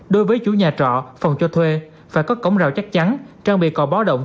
đối với chủ nhà trọ phòng cho thuê phải có cổng rào chắc chắn trang bị cò báo động